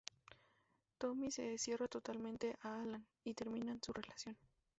Tommy se cierra totalmente a Alan, y terminan su relación.